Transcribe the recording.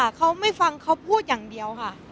เขาไม่ฟังเขาพูดอย่างเดียวค่ะ